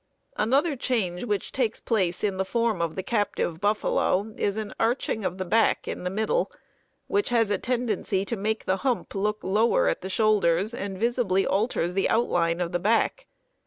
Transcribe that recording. Another change which takes place in the form of the captive buffalo is an arching of the back in the middle, which has a tendency to make the hump look lower at the shoulders and visibly alters the outline of the back.